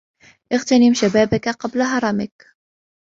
إغتنم شبابك قبل هرمك